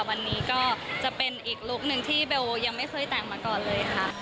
วันนี้ก็จะเป็นอีกลุคหนึ่งที่เบลยังไม่เคยแต่งมาก่อนเลยค่ะ